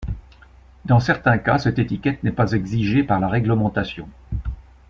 Dans certains cas, cette étiquette n'est pas exigée par la réglementation.